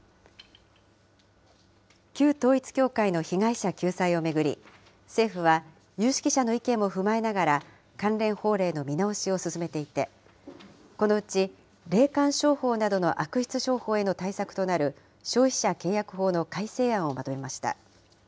旧統一教会の被害者救済を巡り、政府は有識者の意見も踏まえながら、関連法令の見直しを進めていて、このうち霊感商法などの悪質商法への対策となる消費者契約法の改正案をまとめました。